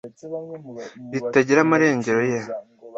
ritagira amarengero ye